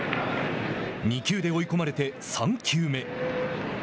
２球で追い込まれて、３球目。